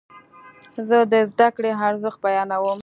زه د زده کړې ارزښت بیانوم.